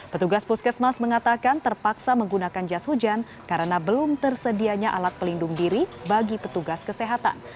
petugas puskesmas mengatakan terpaksa menggunakan jas hujan karena belum tersedianya alat pelindung diri bagi petugas kesehatan